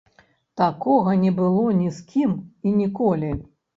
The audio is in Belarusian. Такога не было ні з кім і ніколі.